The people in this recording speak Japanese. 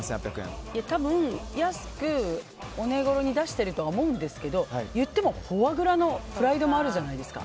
多分、安くお値頃に出しているとは思うんですがいっても、フォアグラのプライドもあるじゃないですか。